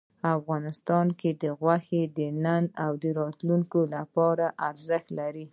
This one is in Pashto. افغانستان کې غوښې د نن او راتلونکي لپاره ارزښت لري.